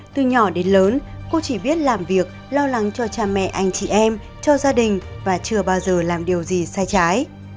từ nhỏ đến lớn cô chỉ biết làm việc lo lắng cho cha mẹ anh chị em cho gia đình và chưa bao giờ làm điều gì sai trái